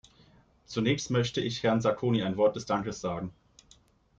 Zunächst möchte ich Herrn Sacconi ein Wort des Dankes sagen.